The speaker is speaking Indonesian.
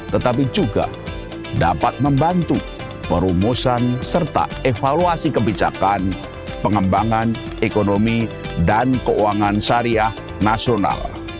tetapi juga dapat membantu perumusan serta evaluasi kebijakan pengembangan ekonomi dan keuangan syariah nasional